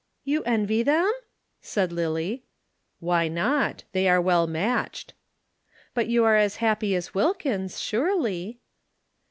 "You envy them?" said Lillie. "Why not? They are well matched." "But you are as happy as Wilkins, surely."